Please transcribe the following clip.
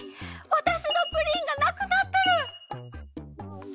わたしのプリンがなくなってる！